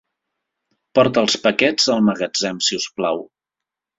Porta els paquets al magatzem, si us plau.